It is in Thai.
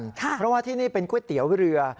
เพราะว่าที่นี่เป็นก๋วยเตี๋ยวเรือ